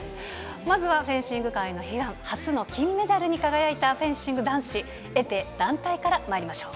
まずはフェンシング界初の金メダルに輝いたフェンシング男子エペ団体からまいりましょう。